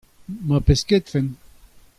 ma pesketfent.